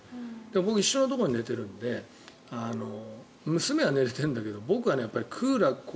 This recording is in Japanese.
僕、一緒のところで寝てるので娘は寝れてるんだけど僕はクーラー